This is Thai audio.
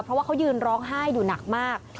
เพราะว่าเขายืนร้องไห้อยู่หนักมาก